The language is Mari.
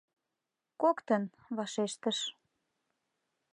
— Коктын, — вашештыш.